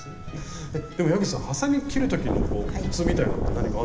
でも矢口さんはさみ切る時のコツみたいなのって何かあるんですか？